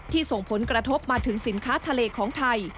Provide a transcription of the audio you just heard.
ส่งผลกระทบมาถึงสินค้าทะเลของไทย